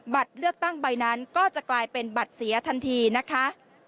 บัตรเลือกตั้งใบนั้นก็จะกลายเป็นบัตรเสียทันทีนะคะ